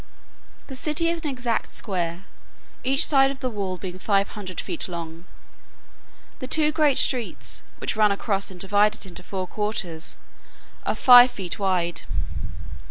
The city is an exact square, each side of the wall being five hundred feet long. The two great streets, which run across and divide it into four quarters, are five feet wide.